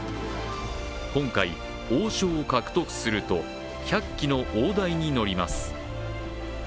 今回、王将を獲得すると１００期の大台に乗ります。